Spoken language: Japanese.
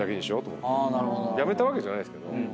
やめたわけじゃないですけど。